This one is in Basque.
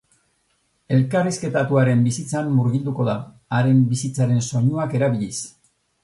Elkarrizketatuaren bizitzan murgilduko da, haren bizitzaren soinuak erabiliz.